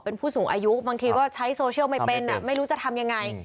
เป็นผู้สูงอายุบางทีก็ใช้โซเชียลไม่เป็นไม่รู้จะทำยังไง